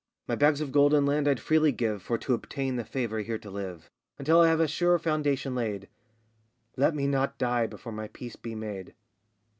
My bags of gold and land I'd freely give, For to obtain the favour here to live, Until I have a sure foundation laid. Let me not die before my peace be made!